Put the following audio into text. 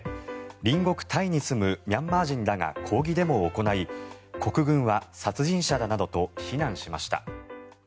隣国タイに住むミャンマー人らが抗議デモを行い国軍は殺人者だなどと非難しました。